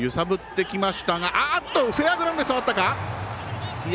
フェアグラウンドに触ったか。